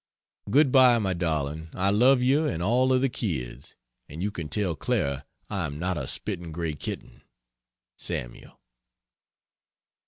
Good bye my darling, I love you and all of the kids and you can tell Clara I am not a spitting gray kitten. SAML.